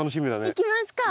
行きますか。